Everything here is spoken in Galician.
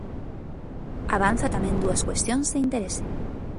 Avanza tamén dúas cuestións de interese.